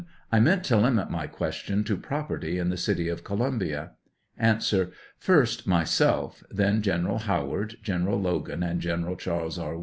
I meant to limit my question to property in the city of Columbia? A. First, myself; then General Howard, General Logan, and General Chas. E.